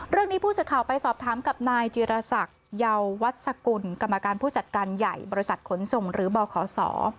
เรื่องนี้ผู้สื่อข่าวไปสอบถามกับนายจิรษักเยาวัตสกุลกรรมการผู้จัดการใหญ่บริษัทขนส่งหรือบขศ